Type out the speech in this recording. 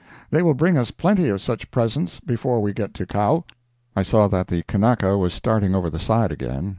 They will bring us plenty of such presents before we get to Kau." I saw that the Kanaka was starting over the side again.